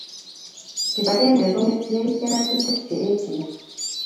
Kipakenge kongetiei keratutik che echen